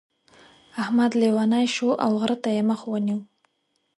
احمد لېونی شو او غره ته يې مخ ونيو.